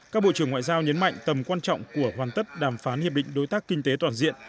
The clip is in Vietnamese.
các bộ trưởng ngoại giao nhấn mạnh tầm quan trọng của hoàn tất đàm phán hiệp định đối tác kinh tế toàn diện